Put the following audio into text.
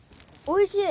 おいしい！